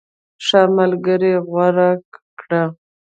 ښه ملګری غوره کړه.